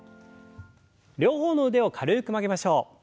両方の腕を軽く曲げましょう。